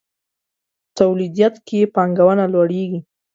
توليديت کې پانګونه لوړېږي.